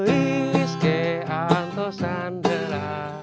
uiske antosan jelah